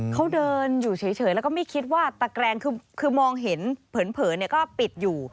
เขาเดินอยู่เฉยแล้วก็ไม่คิดว่าตะแกรงคือมองเห็นเผินก็ปิดอยู่